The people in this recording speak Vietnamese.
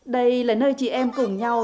đây là nơi chị em cùng nhau